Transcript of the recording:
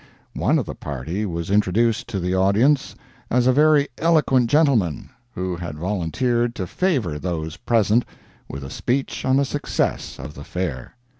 One of the party was introduced to the audience as a very eloquent gentleman, who had volunteered to favor those present with a speech on the success of the Fair.